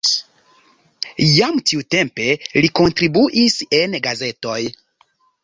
Jam tiutempe li kontribuis en gazetoj.